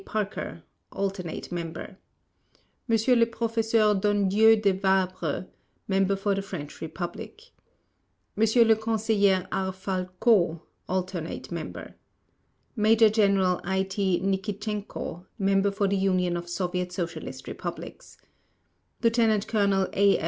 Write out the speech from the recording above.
PARKER, Alternate Member M. LE PROFESSEUR DONNEDIEU DE VABRES, Member for the French Republic M. LE CONSEILLER R. FALCO, Alternate Member MAJOR GENERAL I. T. NIKITCHENKO, Member for the Union of Soviet Socialist Republics LIEUTENANT COLONEL A.